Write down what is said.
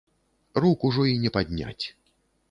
Рук ужо і не падняць.